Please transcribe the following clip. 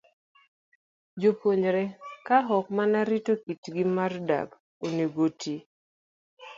Jopuonjre, ka ok mana rito kitgi mar dak, onego oti